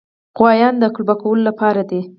غوایان د قلبه کولو لپاره دي.